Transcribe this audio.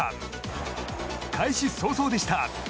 開始早々でした。